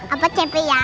opa capek ya